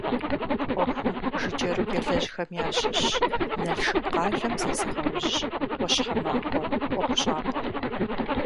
Ӏуэхум жыджэру елэжьхэм ящыщщ Налшык къалэм зезыгъэужь «ӏуащхьэмахуэ» ӀуэхущӀапӀэр.